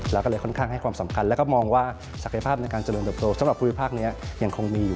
แล้วก็เลยค่อนข้างให้ความสำคัญแล้วก็มองว่าศักยภาพในการเจริญเติบโตสำหรับภูมิภาคนี้ยังคงมีอยู่